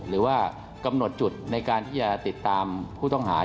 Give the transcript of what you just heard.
หรือว่ากำหนดจุดในการที่จะติดตามผู้ต้องหา